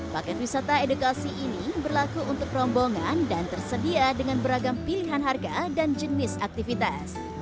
paket wisata edukasi ini berlaku untuk rombongan dan tersedia dengan beragam pilihan harga dan jenis aktivitas